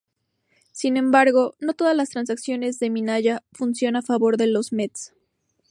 Sin embargo, no todas las transacciones de "Minaya" funcionó a favor de los "Mets".